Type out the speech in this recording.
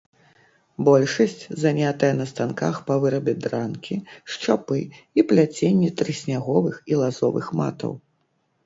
Большасць занятая на станках па вырабе дранкі, шчапы і пляценні трысняговых і лазовых матаў.